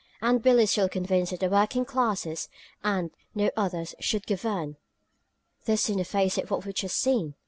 And Billie is still convinced that the working classes, and no others, should govern! This, in the face of what we've just seen!